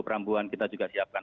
perambuan kita juga siapkan